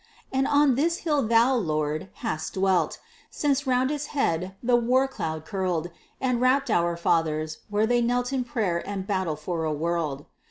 But on this hill thou, Lord, hast dwelt, Since round its head the war cloud curled, And wrapped our fathers, where they knelt In prayer and battle for a world.